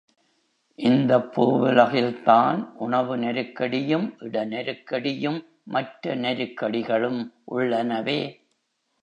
இந்தப் பூவுலகில்தான் உணவு நெருக்கடியும் இட நெருக்கடியும் மற்ற நெருக்கடிகளும் உள்ளனவே!